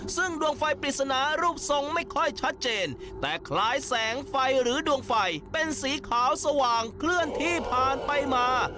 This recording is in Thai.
ซึ่งดวงไฟปริศนารูปทรงไม่ค่อยชัดเจนแต่คล้ายแสงไฟหรือดวงไฟเป็นสีขาวสว่างเคลื่อนที่ผ่านไปมา